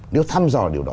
nếu thăm dò điều đó